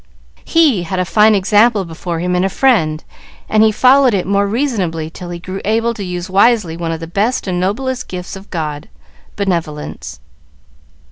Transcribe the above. "He had a fine example before him in a friend, and he followed it more reasonably till he grew able to use wisely one of the best and noblest gifts of God benevolence."